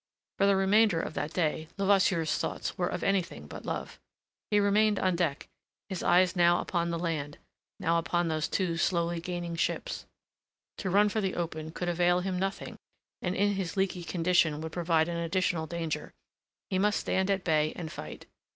For the remainder of that day Levasseur's thoughts were of anything but love. He remained on deck, his eyes now upon the land, now upon those two slowly gaining ships. To run for the open could avail him nothing, and in his leaky condition would provide an additional danger. He must stand at bay and fight.